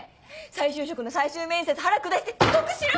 再就職の最終面接腹下して遅刻しろ！